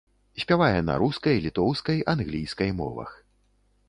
Спявае на рускай, літоўскай, англійскай мовах.